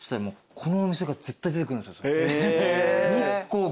この。